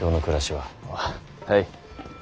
はい。